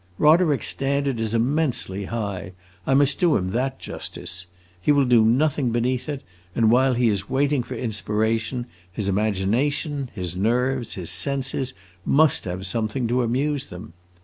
Roderick's standard is immensely high; I must do him that justice. He will do nothing beneath it, and while he is waiting for inspiration, his imagination, his nerves, his senses must have something to amuse them.